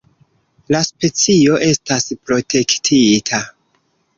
La specio estas protektita.